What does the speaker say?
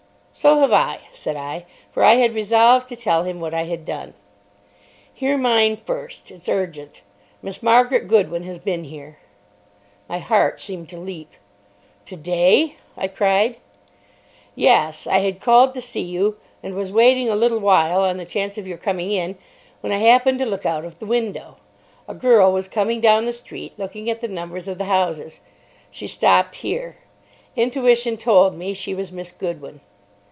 "So have I," said I. For I had resolved to tell him what I had done. "Hear mine first. It's urgent. Miss Margaret Goodwin has been here." My heart seemed to leap. "Today?" I cried. "Yes. I had called to see you, and was waiting a little while on the chance of your coming in when I happened to look out of the window. A girl was coming down the street, looking at the numbers of the houses. She stopped here. Intuition told me she was Miss Goodwin.